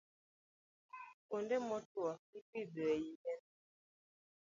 Kuonde motwo ipidhoe yien.